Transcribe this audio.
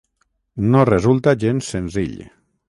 No resulta gens senzill.